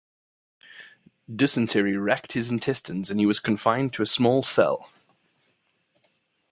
Dysentery racked his intestines and he was confined to a small cell.